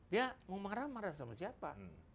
dia mau marah marah sama siapa